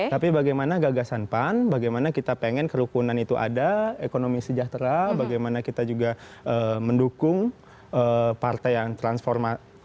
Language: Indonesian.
tapi bagaimana gagasan pan bagaimana kita pengen kerukunan itu ada ekonomi sejahtera bagaimana kita juga mendukung partai yang transformasi